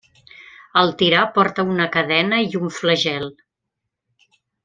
El tirà porta una cadena i un flagel.